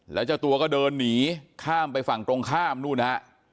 แล้วเจ้าตัวก็เดินหนีข้ามไปฝั่งตรงข้ามนู่นฮะ